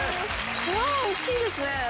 うわ大きいんですね。